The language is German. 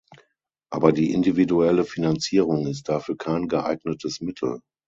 Aber die individuelle Finanzierung ist dafür kein geeignetes Mittel.